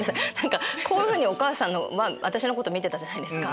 こういうふうにお母さんは私のこと見てたじゃないですか。